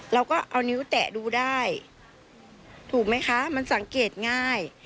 เราก็เอานิ้วแตะดูได้ถูกไหมคะมันสังเกตง่าย